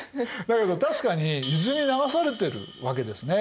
だけど確かに伊豆に流されてるわけですね。